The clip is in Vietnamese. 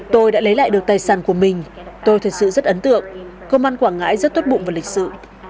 tôi đã lấy lại được tài sản của mình tôi thật sự rất ấn tượng công an quảng ngãi rất tốt bụng và lịch sử